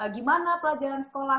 gimana pelajaran sekolah